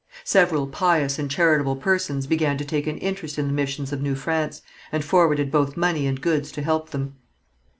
Several pious and charitable persons began to take an interest in the missions of New France, and forwarded both money and goods to help them.